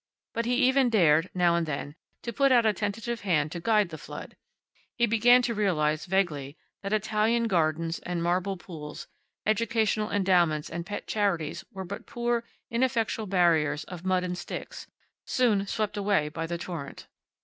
But he even dared, now and then, to put out a tentative hand to guide the flood. He began to realize, vaguely, that Italian Gardens, and marble pools, educational endowments and pet charities were but poor, ineffectual barriers of mud and sticks, soon swept away by the torrent.